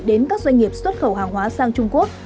đến các doanh nghiệp xuất khẩu hàng hóa sang trung quốc